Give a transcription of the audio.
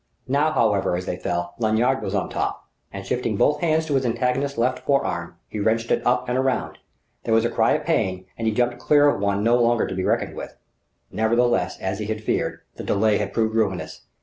Now, however, as they fell, Lanyard was on top: and shifting both hands to his antagonist's left forearm, he wrenched it up and around. There was a cry of pain, and he jumped clear of one no longer to be reckoned with. Nevertheless, as he had feared, the delay had proved ruinous.